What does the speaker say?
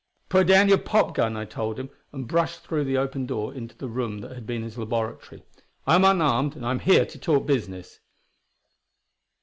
"Put down your pop gun," I told him and brushed through the open door into the room that had been his laboratory. "I am unarmed, and I'm here to talk business.